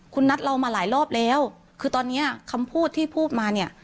คุณนัดเรามาหลายรอบแล้วคือตอนนี้คำพูดที่พูดมาเนี่ย